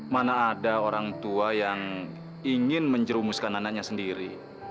mana ada orang tua yang ingin menjerumuskan anaknya sendiri